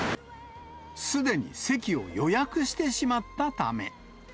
すでに席を予約してしまったため。